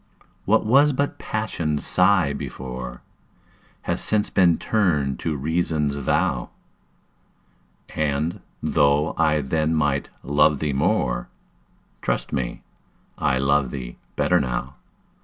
What was but Passion's sigh before, Has since been turned to Reason's vow; And, though I then might love thee more, Trust me, I love thee better now.